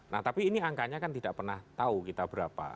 nah tapi ini angkanya kan tidak pernah tahu kita berapa